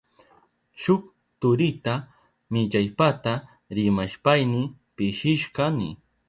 Shuk turita millaypata rimashpayni pishishkani.